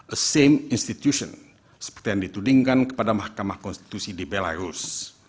a same institution seperti yang ditudingkan kepada mahkamah konstitusi di belarus